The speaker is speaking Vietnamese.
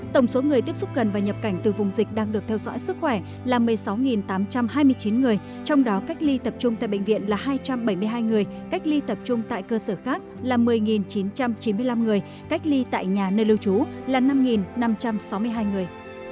tổng số người tiếp xúc gần và nhập cảnh từ vùng dịch đang được theo dõi sức khỏe là một mươi sáu tám trăm hai mươi chín người trong đó cách ly tập trung tại bệnh viện là hai trăm bảy mươi hai người cách ly tập trung tại cơ sở khác là một mươi chín trăm chín mươi năm người cách ly tại nhà nơi lưu trú là năm năm trăm sáu mươi hai người